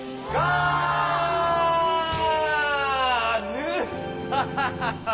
ヌハハハハ！